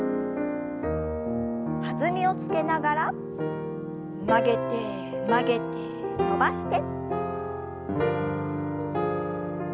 弾みをつけながら曲げて曲げて伸ばして。